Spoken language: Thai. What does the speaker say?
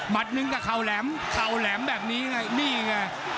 มัดหนึ่งก็เข่าแหลมแบบนี้ไงนี่ไง